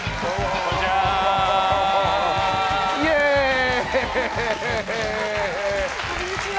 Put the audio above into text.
こんにちは。